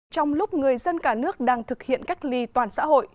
trong lúc người dân cả nước đang thực hiện cách ly toàn xã hội